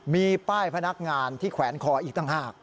มีป้ายพนักงานที่แขวนคออีกต่างหาก